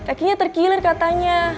kakinya terkiler katanya